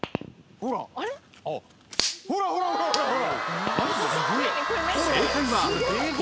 「ほらほらほらほら！」